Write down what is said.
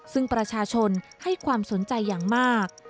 ซึ่งประชาชนให้ความสนใจอย่างมาก